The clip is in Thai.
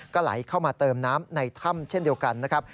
ก็ไหลเข้ามาเติมน้ำในถ้ำเช่นเดียวกันนะครับ